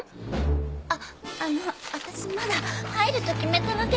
あっあの私まだ入ると決めたわけでは。